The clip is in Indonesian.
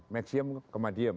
maxim ke medium